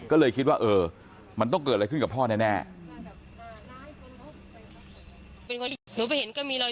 ก็เลยคิดว่าเออมันต้องเกิดอะไรขึ้นกับพ่อแน่